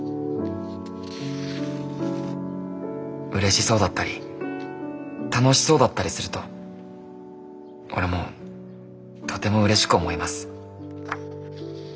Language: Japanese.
「嬉しそうだったり楽しそうだったりすると俺もとても嬉しく思います」。